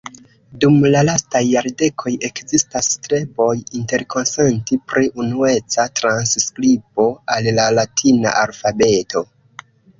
Dum la lastaj jardekoj ekzistas streboj interkonsenti pri unueca transskribo al la latina alfabeto.